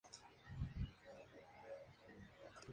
Se tuvo que cubrir los cuerpos.